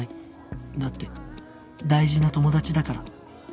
だって大事な友達だから